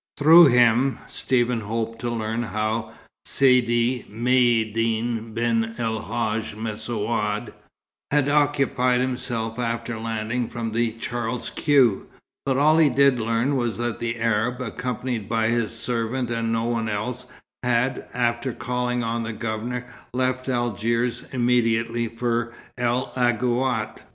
Through him, Stephen hoped to learn how Sidi Maïeddine ben el Hadj Messaoud had occupied himself after landing from the Charles Quex; but all he did learn was that the Arab, accompanied by his servant and no one else, had, after calling on the Governor, left Algiers immediately for El Aghouat.